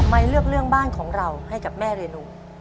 เลือกเรื่องบ้านของเราให้กับแม่เรนู